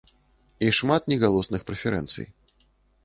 І шмат негалосных прэферэнцый.